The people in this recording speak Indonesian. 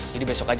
jadi besok aja ya